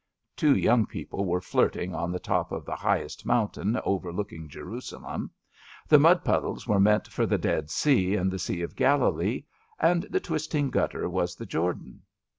*' Two young people were flirting on the top of the highest mountain overlooking Jerusalem; the mud puddles were meant for the Dead Sea and the Sea of Galilee, and the twisting gutter was the Jordan.